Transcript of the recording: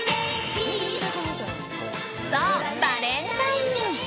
そう、バレンタイン。